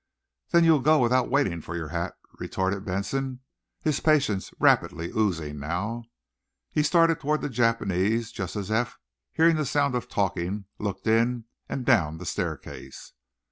"Then you'll go without waiting for your hat," retorted Benson, his patience rapidly oozing now. He started toward the Japanese, just as Eph, hearing the sound of talking, looked in and down the staircase.